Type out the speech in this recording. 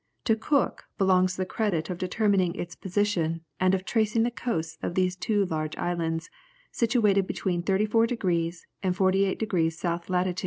To Cook belongs the credit of determining its position and of tracing the coasts of these two large islands, situated between 34 degrees and 48 degrees S. Lat.